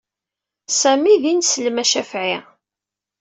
Sami d ineslem acafɛi.